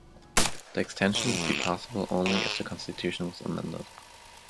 The extension would be possible only if the constitution was amended.